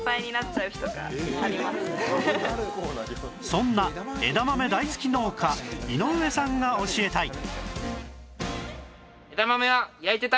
そんな枝豆大好き農家井上さんが教えたい